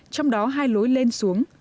trong đó hai lối lên xuống